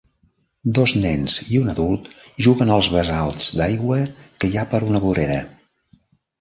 Dos nens i un adult juguen als basalts d'aigua que hi ha per una vorera.